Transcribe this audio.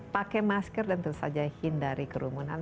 pakai masker dan tentu saja hindari kerumunan